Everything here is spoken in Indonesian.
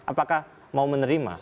apakah mau menerima